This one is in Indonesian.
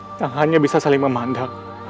ada yang hanya bisa saling memandang